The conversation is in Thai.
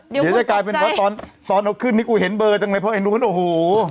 เดี๋ยวจะกลายเป็นเพราะตอนตอนเอาขึ้นนี่กูเห็นเบอร์จังเลยเพราะไอ้นู้นโอ้โห